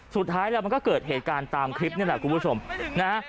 สุดท้ายแล้วมันก็เกิดเหตุการณ์ตามคลิปนี่แหละคุณผู้ชมนะฮะ